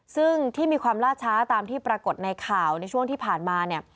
ซึ่งที่มีความล่าช้าตามที่ปรากฏในข่าวในช่วงที่ผ่านมาเนี่ย